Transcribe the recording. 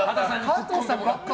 加藤さんばっか。